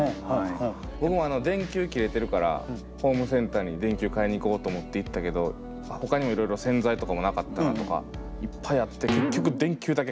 僕も電球切れてるからホームセンターに電球買いに行こうと思って行ったけどほかにもいろいろ洗剤とかもなかったなとかいっぱいあって分かる。